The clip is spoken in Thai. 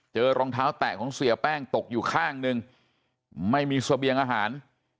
รองเท้าแตะของเสียแป้งตกอยู่ข้างหนึ่งไม่มีเสบียงอาหาร